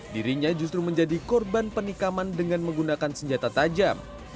dirinya justru menjadi korban penikaman dengan menggunakan senjata tajam